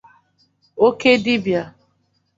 oke dibịa